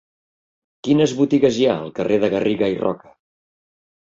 Quines botigues hi ha al carrer de Garriga i Roca?